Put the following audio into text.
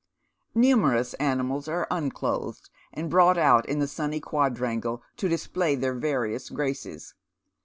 Numerous animals are unclothed, and brought out in the sunny quadrangle to display their various graces.